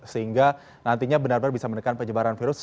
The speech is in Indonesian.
sehingga nantinya benar benar bisa menekan penyebaran virus